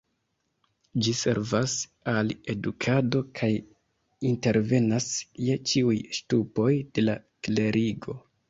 Ĝi servas al edukado kaj intervenas je ĉiuj ŝtupoj de la klerigo.